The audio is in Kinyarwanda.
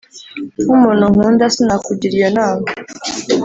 nk’umuntu nkunda sinakugira iyo nama,